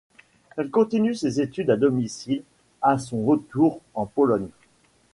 Elle continue ses études à domicile à son retour en Pologne.